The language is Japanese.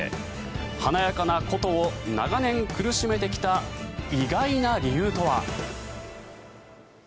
華やかな古都を長年苦しめてきた意外な理由とは。